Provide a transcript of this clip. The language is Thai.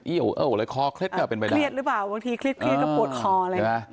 อะไรขอเคร็ดก็เป็นไปตามเครียดหรือเปล่าบางทีเครียดก็ปวดคอเลย